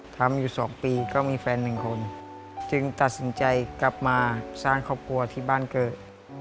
ทำอยู่๒ปีก็มีแฟนหนึ่งคนจึงตัดสินใจกลับมาสร้างครอบครัวที่บ้านเกิด